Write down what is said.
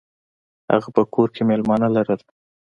هغه په کور کې میلمانه لرل.